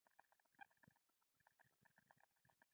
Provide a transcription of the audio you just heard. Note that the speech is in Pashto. چارو د سپارلو څخه انکار وکړ.